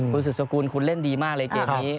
คุณสุดสกุลคุณเล่นดีมากเลยเกมนี้